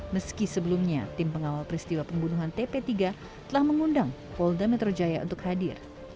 meski sebelumnya tim pengawal peristiwa pembunuhan tp tiga telah mengundang polda metro jaya untuk hadir